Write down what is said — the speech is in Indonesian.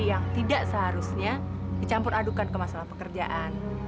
yang tidak seharusnya dicampur adukan ke masalah pekerjaan